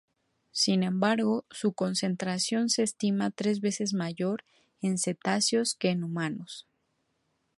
Sin embargo, su concentración se estima tres veces mayor en cetáceos que en humanos.